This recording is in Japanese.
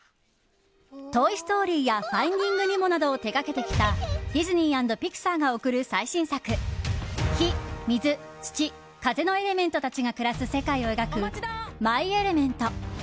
「トイ・ストーリー」や「ファインディング・ニモ」などを手掛けてきたディズニー＆ピクサーが贈る最新作火、水、土、風のエレメントたちが暮らす世界を描く「マイ・エレメント」。